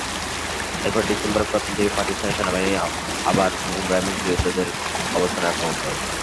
এরপর ডিসেম্বরের প্রথম দিকে পাকিস্তান সেনাবাহিনী আবার ভোমরায় মুক্তিযোদ্ধাদের অবস্থানে আক্রমণ করে।